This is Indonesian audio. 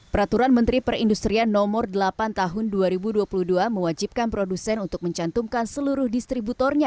peraturan menteri perindustrian nomor delapan tahun dua ribu dua puluh dua mewajibkan produsen untuk mencantumkan seluruh distributornya